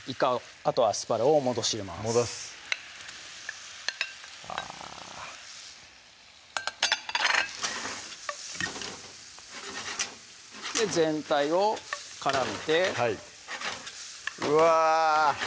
あとはアスパラを戻し入れます戻すあぁ全体を絡めてはいうわ！